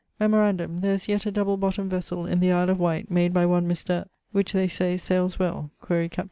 (Memorandum: there is yet a double bottomd vessell in the Isle of Wight, made by one Mr. ...... which, they say, sailes well: quaere capt.